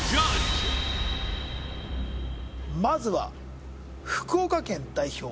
まずは福岡県代表